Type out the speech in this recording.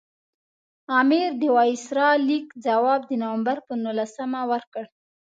امیر د وایسرا د لیک ځواب د نومبر پر نولسمه ورکړ.